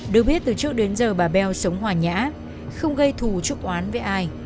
hai nghìn một mươi ba được biết từ trước đến giờ bà beo sống hòa nhã không gây thù trúc oán với ai